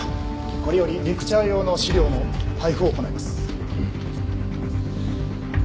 これよりレクチャー用の資料の配布を行います。